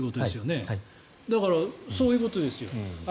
だからそういうことですよ。